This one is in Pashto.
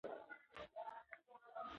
که باران اوبه راټولې کړو نو ځمکه نه وچیږي.